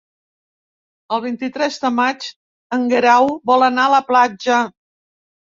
El vint-i-tres de maig en Guerau vol anar a la platja.